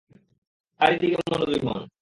তাঁরই দিকে মনোযোগী হোন!